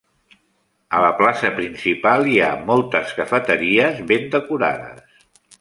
A la plaça principal hi ha moltes cafeteries ben decorades.